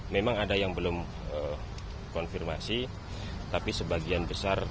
memang ada yang belum konfirmasi tapi sebagian besar